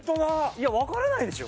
いやわからないでしょ？